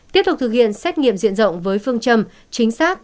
tiếp tục thực hiện xét nghiệm diện rộng với phương châm chính xác